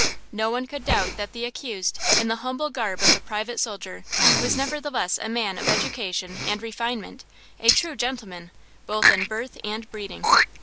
No one could doubt that the accused, in the humble garb of a private soldier, was nevertheless a man of education and refinement–a true gentleman, both in birth and breeding.